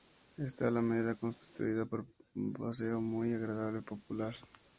Esta alameda constituía un paseo muy agradable y popular.